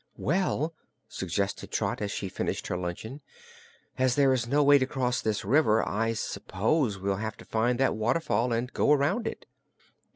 "Well," suggested Trot, as she finished her luncheon, "as there is no way to cross this river, I s'pose we'll have to find that waterfall, and go around it."